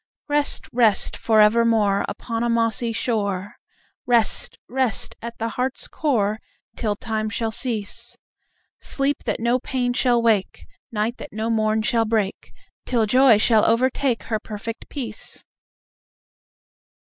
Rest, rest, forevermore Upon a mossy shore; Rest, rest at the heart's core Till time shall cease: Sleep that no pain shall wake, Night that no morn shall break, Till joy shall overtake Her perfect peace.